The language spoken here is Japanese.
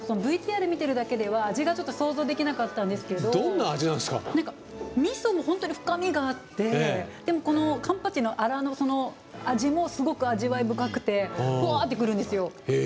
ＶＴＲ見てるだけでは想像できなかったんですけどみそも本当に深みがあってでも、カンパチのアラの味もすごく味わい深くてふわってくるんですよ。